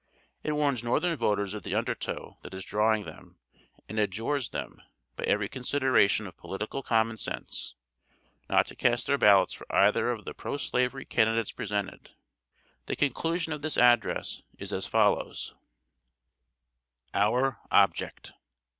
It warns northern voters of the undertow that is drawing them, and adjures them, by every consideration of political common sense, not to cast their ballots for either of the pro slavery candidates presented. The conclusion of this address is as follows: OUR OBJECT.